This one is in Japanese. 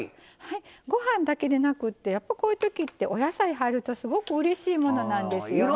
ご飯だけでなくってやっぱこういうときってお野菜入るとすごくうれしいものなんですよね。